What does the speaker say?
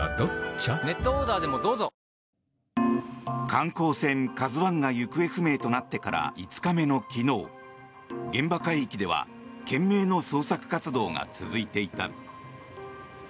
観光船「ＫＡＺＵ１」が行方不明となってから５日目の昨日現場海域では懸命の捜索活動が続いていた。